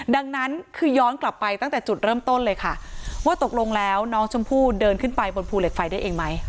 ดังนั้นคือย้อนกลับไปตั้งแต่จุดเริ่มต้นเลยค่ะว่าตกลงแล้วน้องชมพู่เดินขึ้นไปบนภูเหล็กไฟได้เองไหม